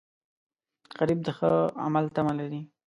غریب د ښه عمل تمه لري